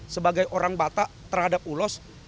sebagai orang batak terhadap ulos